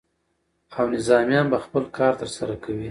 او نظامیان به خپل کار ترسره کوي.